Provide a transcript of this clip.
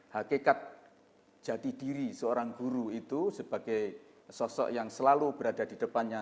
hakikat jati diri seorang guru itu sebagai sosok yang selalu berada di depannya